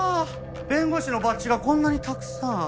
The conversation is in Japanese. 弁護士のバッジがこんなにたくさん。